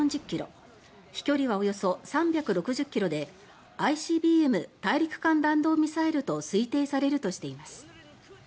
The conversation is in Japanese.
飛距離はおよそ３６０ｋｍでＩＣＢＭ・大陸間弾道ミサイルと推定されるとしています。